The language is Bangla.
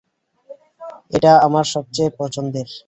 এটা আমার সবচেয়ে পছন্দের।